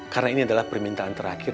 karena ini adalah permintaan terakhir